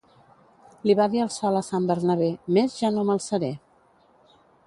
Li va dir el sol a Sant Bernabé, més ja no m'alçaré.